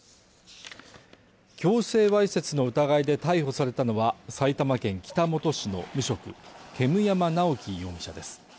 強制わいせつの疑いで逮捕されたのは、埼玉県北本市の無職、煙山直樹容疑者です。